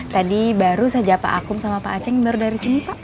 tadi baru saja pak akum sama pak aceh baru dari sini pak